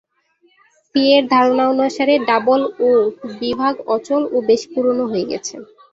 সি-এর ধারণা অনুসারে "ডাবল ও" বিভাগ অচল ও বেশ পুরানো হয়ে গেছে।